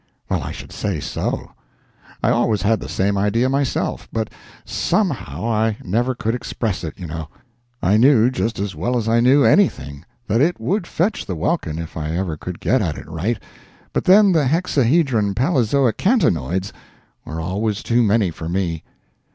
Well, I should say so. I always had that same idea myself, but some how I never could express it, you know. I knew just as well as I knew anything, that it would fetch the welkin if I ever could get at it right, but then the hexahedron palezoic cantenoids were always too many for me.